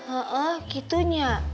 oh oh gitu nya